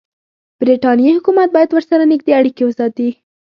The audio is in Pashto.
برټانیې حکومت باید ورسره نږدې اړیکې وساتي.